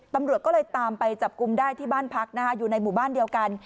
ตำรวจก็เลยตามไปจับกลุ่มได้ที่บ้านพักนะคะอยู่ในหมู่บ้านเดียวกัน